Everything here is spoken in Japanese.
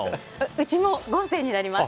うちも豪勢になります。